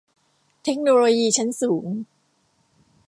เทคโนโลยีชั้นสูง